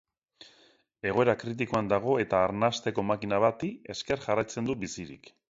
Egoera kritikoan dago eta arnasteko makina bati esker jarraitzen du bizirik.